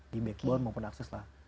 di backbone maupun akses lah